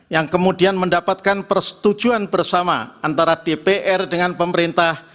yang kemudian mendapatkan persetujuan bersama antara dpr dengan pemerintah